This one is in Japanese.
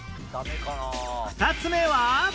２つ目は